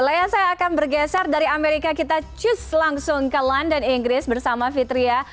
leah saya akan bergeser dari amerika kita cus langsung ke london inggris bersama fitria